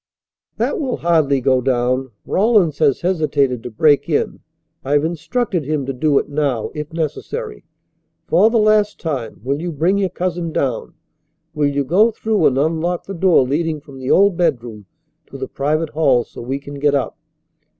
"That will hardly go down. Rawlins has hesitated to break in. I've instructed him to do it now, if necessary. For the last time, will you bring your cousin down? Will you go through and unlock the door leading from the old bedroom to the private hall so we can get up?"